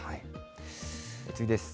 次です。